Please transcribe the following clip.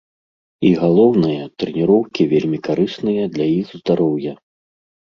І галоўнае, трэніроўкі вельмі карысныя для іх здароўя.